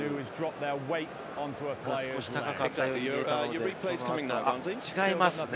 少し高かったように見えたのですが、違いますね。